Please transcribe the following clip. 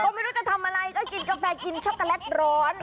ก็ไม่รู้จะทำอะไรก็กินกาแฟกินช็อกโกแลตร้อน